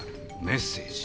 メッセージ。